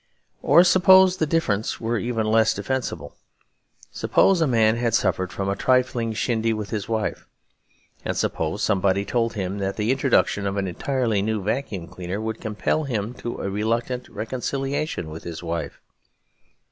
Or suppose the difference were even less defensible; suppose a man had suffered from a trifling shindy with his wife. And suppose somebody told him that the introduction of an entirely new vacuum cleaner would compel him to a reluctant reconciliation with his wife.